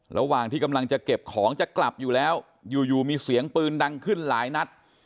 ระหว่างที่กำลังจะเก็บของจะกลับอยู่แล้วอยู่มีเสียงปืนดังขึ้นหลายนัด